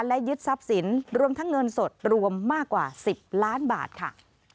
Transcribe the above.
และยึดทรัพย์สินรวมทั้งเงินสดรวมมากกว่า๑๐ล้านบาทค่ะ